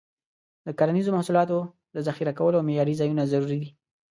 د کرنیزو محصولاتو د ذخیره کولو معیاري ځایونه ضروري دي.